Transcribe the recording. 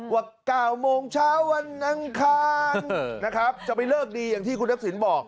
ว่า๙โมงเช้าวันอังคารนะครับจะไปเลิกดีอย่างที่คุณทักษิณบอก